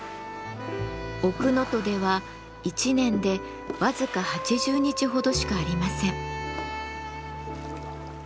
奥能登では１年で僅か８０日ほどしかありません。